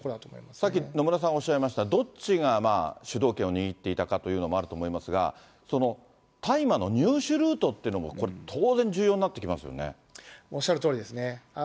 さっき野村さんおっしゃいました、どっちが主導権を握っていたかというのもあると思いますが、大麻の入手ルートっていうのも、おっしゃるとおりですね。